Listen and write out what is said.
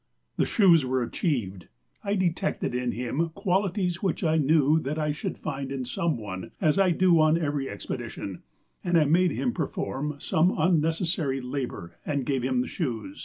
The shoes were achieved. I detected in him qualities which I knew that I should find in some one, as I do on every expedition, and I made him perform some unnecessary labor and gave him the shoes.